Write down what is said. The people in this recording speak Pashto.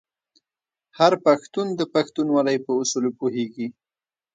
هر پښتون د پښتونولۍ په اصولو پوهیږي.